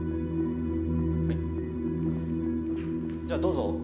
じゃどうぞ。